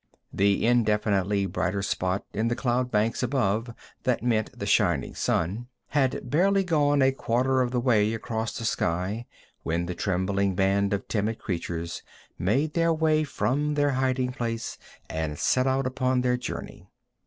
The indefinitely brighter spot in the cloud banks above that meant the shining sun had barely gone a quarter of the way across the sky when the trembling band of timid creatures made their way from their hiding place and set out upon their journey.